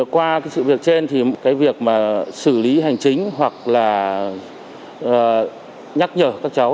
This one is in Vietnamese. qua sự việc trên thì việc xử lý hành chính hoặc là nhắc nhở các cháu